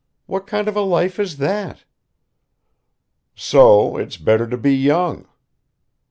What kind of a life is that?" "So it's better to be young."